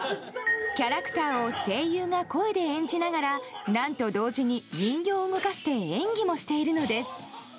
キャラクターを声優が声で演じながら何と同時に人形を動かして演技もしているんです。